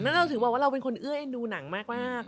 อันนั้นเราถือว่าว่าเราเป็นคนเอ้ยดูหนังมาก